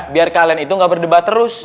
biar kalian itu gak berdebat terus